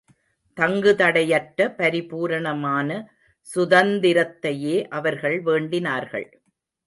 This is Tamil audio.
தங்குதடையற்ற பரிபூரணமான சுதந்திரத்தையே அவர்கள் வேண்டினார்கள்.